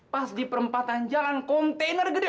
pas di perempatan jalan kontainer gede